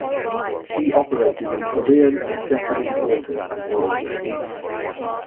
She operated in Korean and Japanese waters until August.